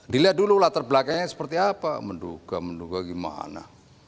dilihat dulu latar belakangnya seperti apa menduga menduga gimana